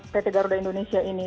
pt garuda indonesia ini